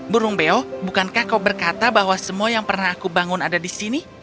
burung beo bukankah kau berkata bahwa semua yang pernah aku bangun ada di sini